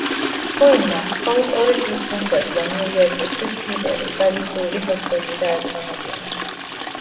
ქუინმა, მხოლოდ ორი წლის წინ შეძლო ნიუ-იორკისთვის პირველი, ტრადიციული ჰოთ-დოგი დაებრუნებინა.